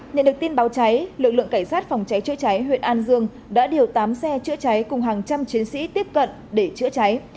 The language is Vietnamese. nhận được tin báo cháy lực lượng cảnh sát phòng cháy chữa cháy huyện an dương đã điều tám xe chữa cháy cùng hàng trăm chiến sĩ tiếp cận để chữa cháy